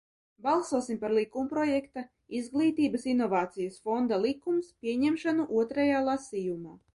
"Balsosim par likumprojekta "Izglītības inovācijas fonda likums" pieņemšanu otrajā lasījumā!"